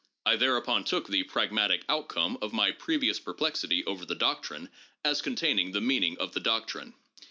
I thereupon took the pragmatic outcome of my previous perplexity over the doctrine as containing the meaning of the doctrine.